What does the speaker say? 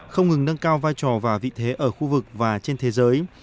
không ngừng nâng cao vai trò và vị thế ở khu vực và trên thế giới